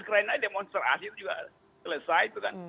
keren aja demonstrasi itu juga selesai itu kan